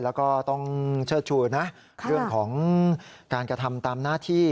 แล้วก็ต้องเชิดชูนะเรื่องของการกระทำตามหน้าที่